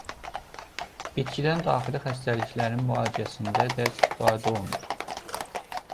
Bitkidən daxili xəstəliklərin müalicəsində də istifadə olunur.